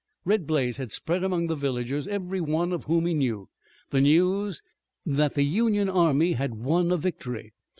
Red Blaze had spread among the villagers, every one of whom he knew, the news that the Union arms had won a victory.